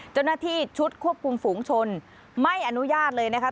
เจ้าหน้าที่ชุดควบคุมฝูงชนไม่อนุญาตเลยนะคะ